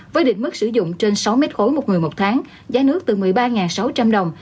với định mức sử dụng trên sáu mét khối một người một tháng giá nước từ một mươi ba sáu trăm linh đồng